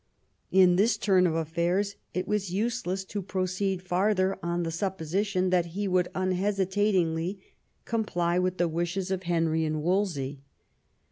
In this turn of affairs it was useless to proceed farther on the supposition that he would unhesitatingly comply with the wishes of Henry and Wolsey.